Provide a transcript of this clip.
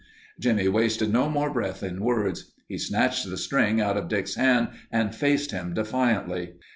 Jimmie wasted no more breath in words. He snatched the string out of Dick's hand and faced him defiantly.